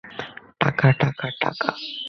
টাকা, টাকা, টাকা।